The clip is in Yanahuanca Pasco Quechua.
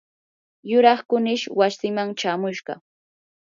yuraq kunish wasiiman chamushqa.